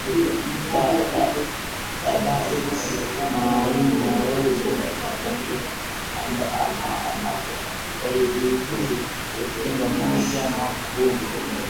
Dabar Maalim na Rose Macharia amabo walijiuzulu Septemba moja mwaka huu